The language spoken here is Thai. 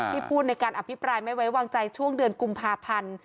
พูดในการอภิปรายไม่ไว้วางใจช่วงเดือนกุมภาพันธ์